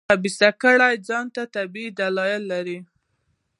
خبیثه کړۍ ځان ته طبیعي دلایل لري.